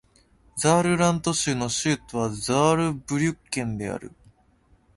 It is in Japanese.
ザールラント州の州都はザールブリュッケンである